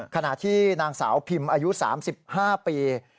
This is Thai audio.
ขณะที่นางสาวพิมอายุ๓๕ปี